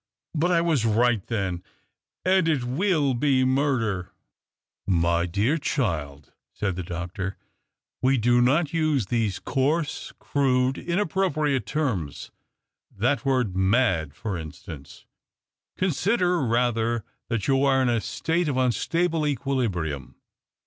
But I was iglit then, and it will be murder." 252 THE OCTAVE OF CLAUDIUS. " My dear child," said the doctor, " we do not use these coarse, crude, inappropriate terms. That word ' mad,' for instance. Con sider rather that you are in a state of unstable equilibrium.